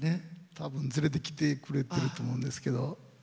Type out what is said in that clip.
多分、連れてきてくれてると思うんですけど。